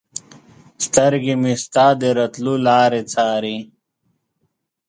سترګې مې ستا د راتلو لارې څاري